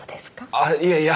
あっいやいや！